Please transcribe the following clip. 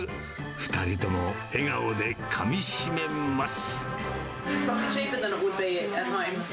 ２人とも、笑顔でかみしめます。